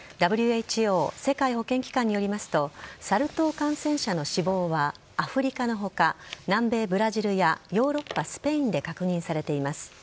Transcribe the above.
ＷＨＯ・世界保健機関によりますと、サル痘感染者の死亡は、アフリカのほか、南米ブラジルやヨーロッパ・スペインで確認されています。